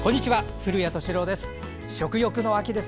古谷敏郎です。